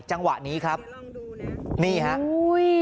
จังหวะนี้ครับนี่ครับ